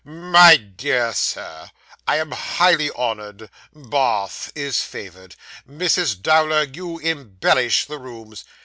'My dear Sir, I am highly honoured. Ba ath is favoured. Mrs. Dowler, you embellish the rooms.